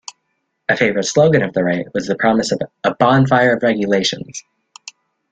A favourite slogan of the right was the promise of "a bonfire of regulations".